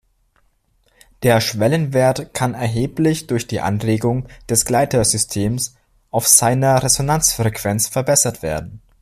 Der Schwellenwert kann erheblich durch die Anregung des Gleiter-Systems auf seiner Resonanzfrequenz verbessert werden.